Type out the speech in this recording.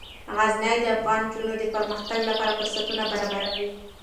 غزني د افغان نجونو د پرمختګ لپاره فرصتونه برابروي.